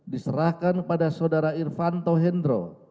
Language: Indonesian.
diserahkan kepada saudara irvan tohendro